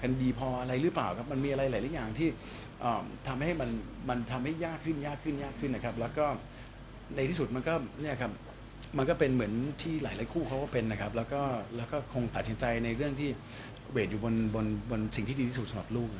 ก็เนี่ยครับมันก็เป็นเหมือนที่หลายคู่เขาก็เป็นนะครับแล้วก็แล้วก็คงตัดสินใจในเรื่องที่เวทย์อยู่บนบนบนสิ่งที่ดีสุดสำหรับลูกครับ